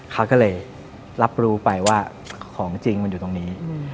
เขาก็เลยรับรู้ไปว่าของจริงมันอยู่ตรงนี้